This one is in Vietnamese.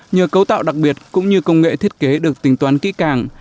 nhờ cấu tạo đặc biệt cũng như công nghệ thiết kế được tính toán kỹ càng